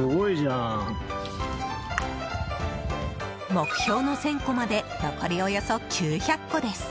目標の１０００個まで残りおよそ９００個です。